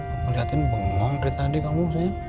aku ngeliatin bengong dari tadi kamu